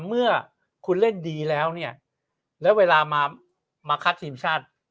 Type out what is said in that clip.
เมื่อคุณเล่นดีแล้วเนี่ยแล้วเวลามาคัดทีมชาติ